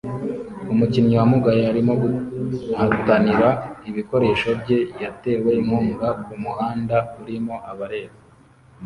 Umukinnyi wamugaye arimo guhatanira ibikoresho bye yatewe inkunga kumuhanda urimo abareba